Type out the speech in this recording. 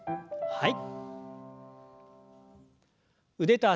はい。